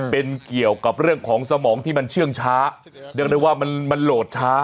เป็นเกี่ยวกับเรื่องของสมองที่มันเชื่องช้าเรียกได้ว่ามันโหลดช้า